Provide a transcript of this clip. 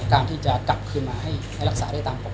การที่จะกลับคืนมาให้รักษาได้ตามปกติ